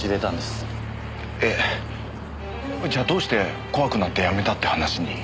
えっじゃあどうして怖くなって辞めたって話に？